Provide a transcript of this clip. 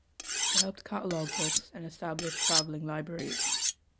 They helped catalogue books and establish travelling libraries.